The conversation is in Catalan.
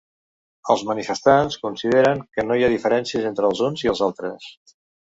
Els manifestants consideren que no hi ha diferències entre els uns i els altres.